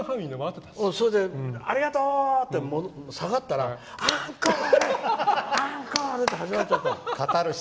それでありがとう！って下がったらアンコール！アンコール！って始まっちゃったの。